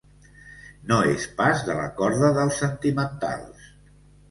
No és pas de la corda dels sentimentals.